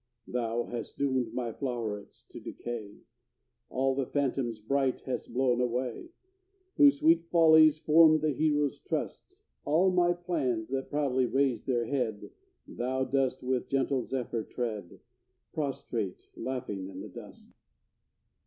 Thou hast doomed my flowerets to decay, All the phantoms bright hast blown away, Whose sweet follies formed the hero's trust; All my plans that proudly raised their head Thou dost, with gentle zephyr tread, Prostrate, laughing, in the dust.